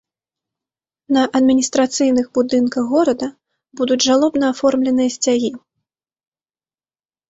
На адміністрацыйных будынках горада будуць жалобна аформленыя сцягі.